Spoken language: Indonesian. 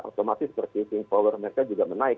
otomatis purchasing power mereka juga menaik